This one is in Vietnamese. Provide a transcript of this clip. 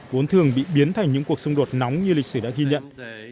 vốn thường bị biến thành những cuộc xung đột nóng như lịch sử đã ghi nhận